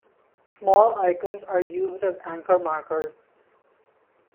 Small icons are used as anchor markers.